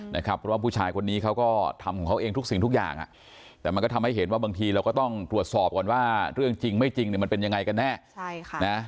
เพราะว่าผู้ชายคนนี้เขาก็ทำของเขาเองทุกสิ่งทุกอย่างแต่มันก็ทำให้เห็นว่าบางทีเราก็ต้องตรวจสอบก่อนว่าเรื่องจริงไม่จริงเนี่ยมันเป็นยังไงกันแน่ใช่ค่ะนะ